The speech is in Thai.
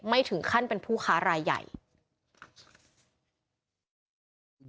ไม่ถึงขั้นเป็นผู้ค้ารายใหญ่